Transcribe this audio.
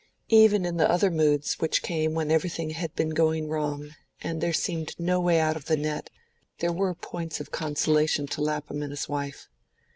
Even in the other moods, which came when everything had been going wrong, and there seemed no way out of the net, there were points of consolation to Lapham and his wife.